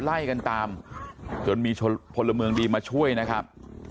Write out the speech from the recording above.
ไล่กันตามจนมีพลเมืองดีมาช่วยนะครับ